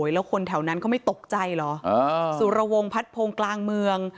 แล้วคนแถวนั้นเขาไม่ตกใจเหรอสุรวงพัดพงศ์กลางเมือง